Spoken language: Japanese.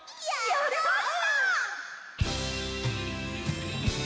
やりました！